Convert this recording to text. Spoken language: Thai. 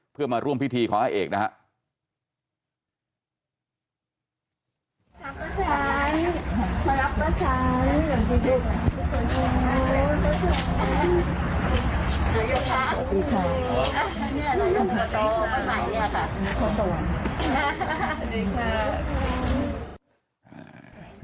เพื่อมาร่วมพิธีของอาเอกสรพงศ์นะฮะ